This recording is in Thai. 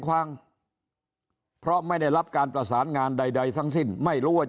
ความเพราะไม่ได้รับการประสานงานใดทั้งสิ้นไม่รู้ว่า